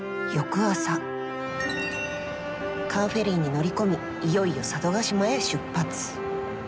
カーフェリーに乗り込みいよいよ佐渡島へ出発！